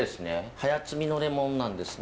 早摘みのレモンなんですね。